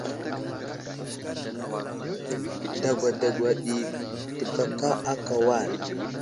Dagwa dagwa ɗi təgaka aka wal.